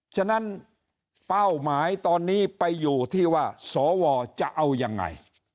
ฉะนั้นเป้าหมายตอนนี้ไปอยู่ที่ว่าสวจะเอายังไง